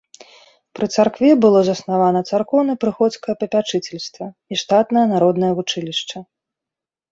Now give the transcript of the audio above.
Пры царкве было заснавана царкоўна-прыходскае папячыцельства і штатнае народнае вучылішча.